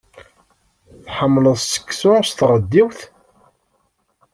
Tḥemmleḍ seksu s tɣeddiwt?